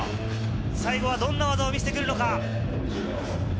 最後はどんな技を見せるのか。